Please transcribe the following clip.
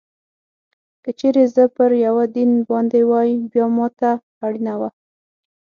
که چېرې زه پر یوه دین باندې وای، بیا ما ته اړینه وه.